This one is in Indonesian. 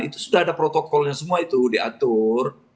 itu sudah ada protokolnya semua itu diatur